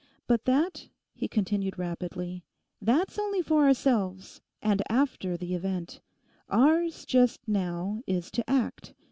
But that,' he continued rapidly, 'that's only for ourselves—and after the event. Ours, just now, is to act.